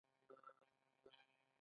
د افغانستان ملي حیوان پړانګ دی